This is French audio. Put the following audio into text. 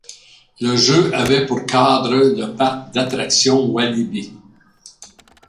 Le jeu avait pour cadre le parc d'attractions Walibi.